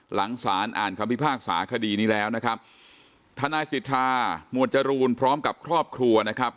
หลังสารอ่านคำพิพากษาคดีนี้แล้วนะครับทนายสิทธาหมวดจรูนพร้อมกับครอบครัวนะครับ